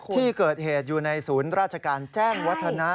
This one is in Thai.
ที่เกิดเหตุอยู่ในศูนย์ราชการแจ้งวัฒนะ